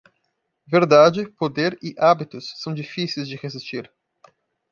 Verdade, poder e hábitos são difíceis de resistir.